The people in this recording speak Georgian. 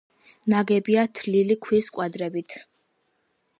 ნაგებია თლილი ქვის კვადრებით.